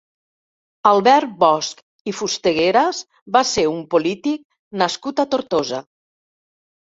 Albert Bosch i Fustegueras va ser un polític nascut a Tortosa.